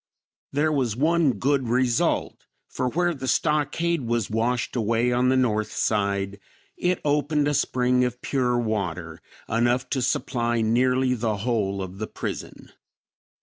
There was one good result, for where the stockade was washed away on the north side, it opened a spring of pure water, enough to supply nearly the whole of the prison."